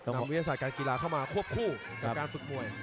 วิทยาศาสตร์การกีฬาเข้ามาควบคู่กับการฝึกมวย